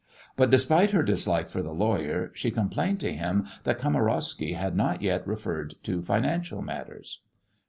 But despite her dislike for the lawyer she complained to him that Kamarowsky had not yet referred to financial matters.